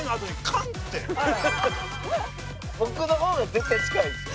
僕の方が絶対近いですよ。